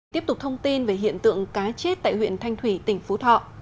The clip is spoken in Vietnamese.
tiếp tục thông tin về hiện tượng cá chết tại huyện thanh thủy tỉnh phú thọ